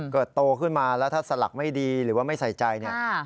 โตขึ้นมาแล้วถ้าสลักไม่ดีหรือว่าไม่ใส่ใจเนี่ย